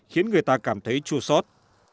khiến người ta cảm thấy chua sót